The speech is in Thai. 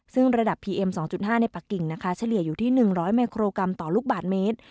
ซึ่งระดับพีเอ็มสองจุดห้าในปักกิ่งนะคะเฉลี่ยอยู่ที่หนึ่งร้อยไมโครกรัมต่อลูกบาทเมตร